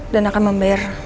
dan akan membayar